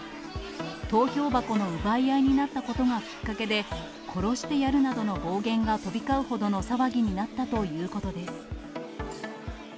投票箱の奪い合いになったことがきっかけで、殺してやるなどの暴言が飛び交うほどの騒ぎになったということです。